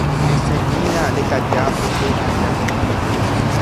esẽmina lekaja oke aja.